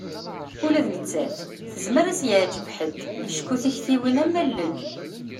Ula d nettat tezmer ad s-yeɛǧeb ḥedd acku tiktiwin am wallen.